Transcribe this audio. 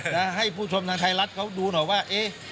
แล้วให้ผู้ชมทางไทยรัฐเขาดูหน่อยว่า